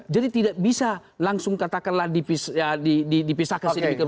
jadi tidak bisa langsung katakanlah dipisahkan